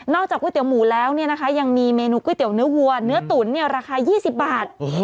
นอกจากก๋วยเตี๋ยวหมูแล้วเนี่ยนะคะยังมีเมนูก๋วยเตี๋ยวเนื้อหัวเนื้อตุ๋นเนี่ยราคา๒๐บาท